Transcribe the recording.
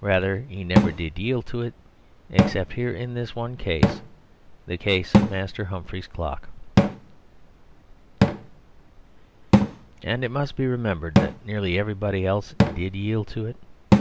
Or rather he never did yield to it except here in this one case; the case of Master Humphrey's Clock. And it must be remembered that nearly everybody else did yield to it.